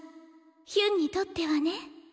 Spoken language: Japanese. ヒュンにとってはね。